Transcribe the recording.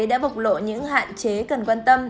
đã bộc lộ những hạn chế cần quan tâm